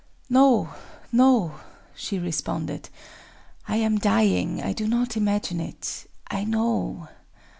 "No, no!" she responded—"I am dying!—I do not imagine it;—I know!...